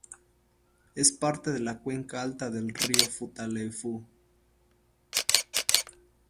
Es parte de la cuenca alta del río Futaleufú.